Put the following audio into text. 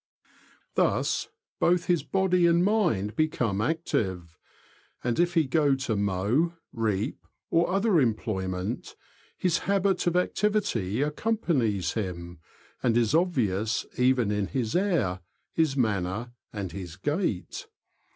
241 ''Thus, both his body and mind become active; and if he go to mow, reap, or other employment, his habit of activity accompanies him, and is obvious even in his air, his manner, and his gait.